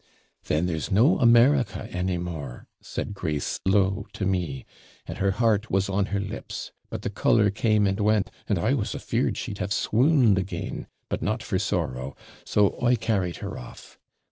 "Then there's no America any more!" said Grace low to me, and her heart was on her lips; but the colour came and went, and I was AFEARED she'd have swooned again, but not for sorrow, so I carried her off.